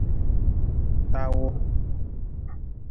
Tawu.